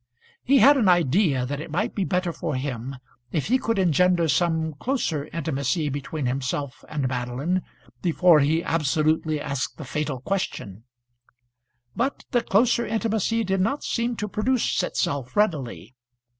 He had an idea that it might be better for him if he could engender some closer intimacy between himself and Madeline before he absolutely asked the fatal question; but the closer intimacy did not seem to produce itself readily.